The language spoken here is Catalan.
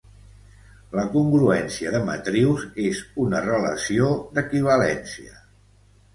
La congruència de matrius és una relació d'equivalència.